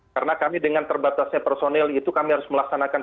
karena kami dengan terbatasnya personil itu kami harus melaksanakannya